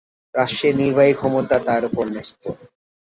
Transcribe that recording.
রাষ্ট্রের নির্বাহী ক্ষমতা তার উপর ন্যস্ত।